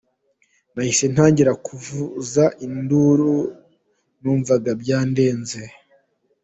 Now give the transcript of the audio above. Nahise ntangira kuvuza induru, numvaga byandenze.